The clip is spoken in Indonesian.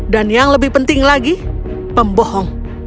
dan yang lebih penting lagi pembohong